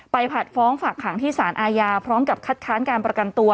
ผัดฟ้องฝากขังที่สารอาญาพร้อมกับคัดค้านการประกันตัว